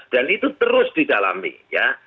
dan itu terus didalami ya